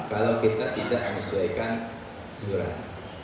kalau kita tidak menyesuaikan duran